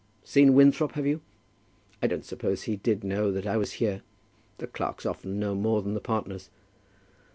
Seen Winthrop, have you? I don't suppose he did know that I was here. The clerks often know more than the partners.